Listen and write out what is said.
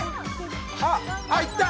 あっいった！